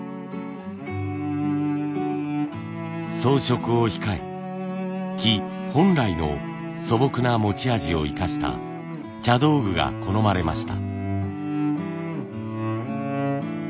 装飾を控え木本来の素朴な持ち味を生かした茶道具が好まれました。